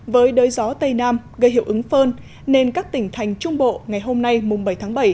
với đới gió tây nam gây hiệu ứng phơn nên các tỉnh thành trung bộ ngày hôm nay mùng bảy tháng bảy